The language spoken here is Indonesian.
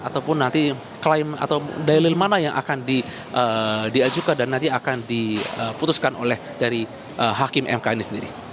ataupun nanti klaim atau dalil mana yang akan diajukan dan nanti akan diputuskan oleh dari hakim mk ini sendiri